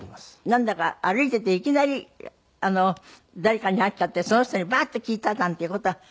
なんだか歩いていていきなり誰かに会っちゃってその人にバーッて聞いたなんていう事は。